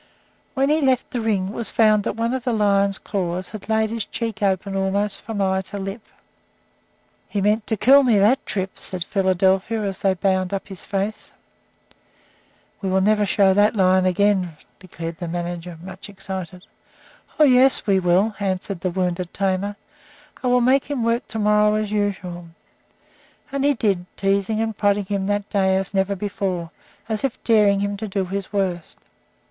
When he left the ring, it was found that one of the lion's claws had laid his cheek open almost from eye to lip. "He meant to kill me that trip," said Philadelphia, as they bound up his face. "We will never show that lion again," declared the manager, much excited. "Oh, yes, we will!" answered the wounded tamer. "I will make him work to morrow as usual." And he did, teasing and prodding him that day as never before, as if daring him to do his worst.